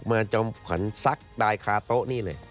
มาจะสัลค์ไดคาโต๊ะนี่เลย